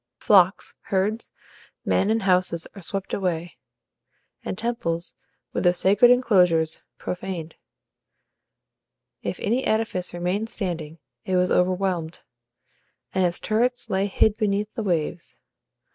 Flocks, herds, men, and houses are swept away, and temples, with their sacred enclosures, profaned. If any edifice remained standing, it was overwhelmed, and its turrets lay hid beneath the waves.